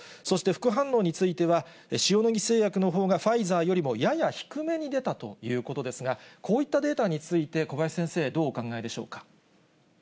そして副反応については、塩野義製薬のほうがファイザーよりもやや低めに出たということですが、こういったデータについて、小林先生、どうお考えでしょうか。